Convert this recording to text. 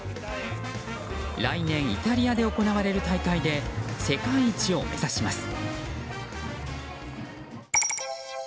来年、イタリアで行われる大会で世界一を目指します。